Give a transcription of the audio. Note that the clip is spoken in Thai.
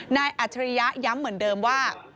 อัจฉริยะย้ำเหมือนเดิมว่า